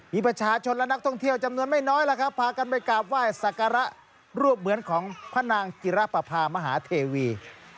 มีประชาชนและนักท่องเที่ยวจำนวนไม่น้อยแล้วครับพากันไปกราบไหว้สักการะรวบเหมือนของพระนางจิรปภามหาเทวี